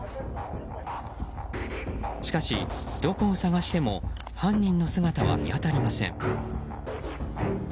しかしどこを捜しても犯人の姿は見当たりません。